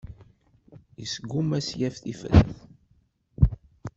Yesguma ad s-yaf tifrat.